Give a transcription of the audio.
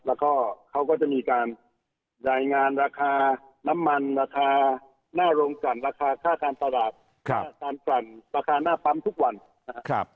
แล้วก็เขาก็จะมีการรายงานราคาน้ำมันราคาหน้าโรงกลั่นราคาค่าการตลาดค่าการกลั่นราคาหน้าปั๊มทุกวันนะครับ